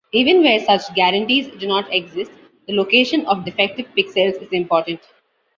Even where such guarantees do not exist, the location of defective pixels is important.